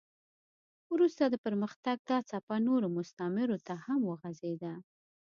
وروسته د پرمختګ دا څپه نورو مستعمرو ته هم وغځېده.